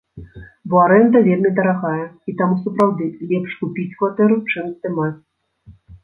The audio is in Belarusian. Бо арэнда вельмі дарагая, і таму сапраўды лепш купіць кватэру, чым здымаць.